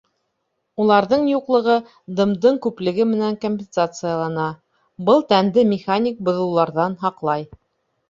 Уларҙың юҡлығы дымдың күплеге менән компенсациялана, был тәнде механик боҙолоуҙарҙан һаҡлай.